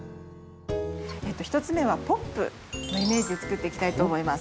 １つ目はポップのイメージで作っていきたいと思います。